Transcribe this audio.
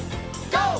ＧＯ！